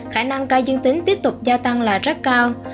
khả năng ca dương tính tiếp tục gia tăng là rất cao